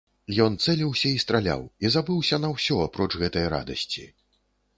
Ён цэліўся і страляў і забыўся на ўсё, апроч гэтай радасці.